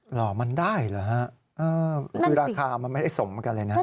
เหรอมันได้เหรอฮะคือราคามันไม่ได้สมกันเลยนะ